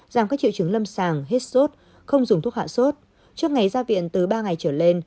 giảm các triệu chứng lâm sàng hết sốt không dùng thuốc hạ sốt trước ngày ra viện từ ba ngày trở lên